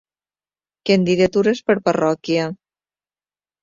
Candidatures per parròquia.